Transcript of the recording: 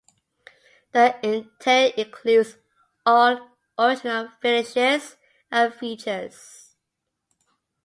The interior includes all original finishes and features.